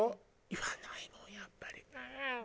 言わないもんやっぱり。